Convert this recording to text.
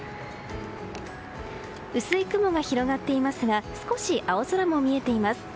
薄い雲が広がっていますが少し青空も見えています。